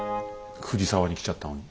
藤沢に来ちゃったのに。